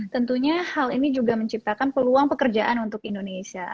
tentunya hal ini juga menciptakan peluang pekerjaan untuk indonesia